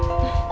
aku mau mencoba